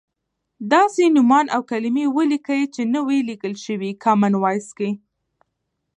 داسې نومان او کلیمې ولیکئ چې نه وې لیکل شوی کامن وایس کې.